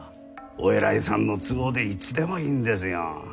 お偉いさんの都合でいつでもいいんですよ。